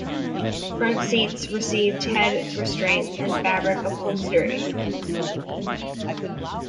Front seats received head restraints and fabric upholstery.